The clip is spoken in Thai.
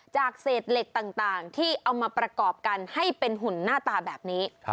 จากเศษเหล็กต่างที่เอามาประกอบกันให้เป็นหุ่นหน้าตาแบบนี้